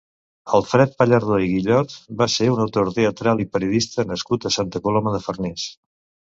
Alfred Pallardó i Guillot va ser un autor teatral i periodista nascut a Santa Coloma de Farners.